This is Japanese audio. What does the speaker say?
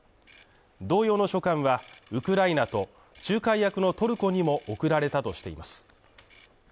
同様の書簡は、ウクライナと仲介役のトルコにも送られたとしています。